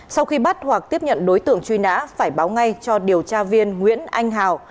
sau khi bắt hoặc tiếp nhận đối tượng truy nã phải báo ngay cho điều tra viên nguyễn anh hào